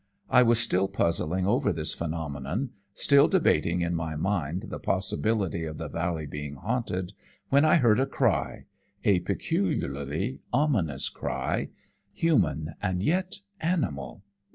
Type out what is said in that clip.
I was still puzzling over this phenomenon, still debating in my mind the possibility of the valley being haunted, when I heard a cry a peculiarly ominous cry human and yet animal.